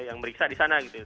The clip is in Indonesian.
yang meriksa di sana gitu ya